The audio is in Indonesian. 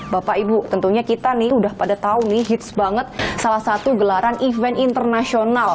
bapak ibu tentunya kita nih udah pada tahu nih hits banget salah satu gelaran event internasional